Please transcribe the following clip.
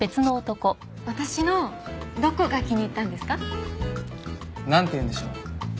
私のどこが気に入ったんですか？なんていうんでしょう。